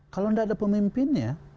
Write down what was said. kalau tidak ada pemimpinnya